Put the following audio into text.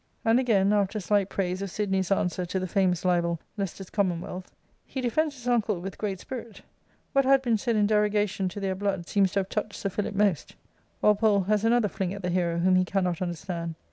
And again, after slight praise of Sidney's answer to the famous libel, " Leicester's Commonwealth "—" He defends his uncle with great spirit What had been said in derogation to their blood seems to have touched Sir Philip most^* Wal pole has another fling at the hero whom he cannot understand.